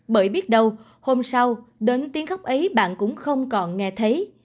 bởi biết đâu hôm sau đến tiếng góc ấy bạn cũng không còn nghe thấy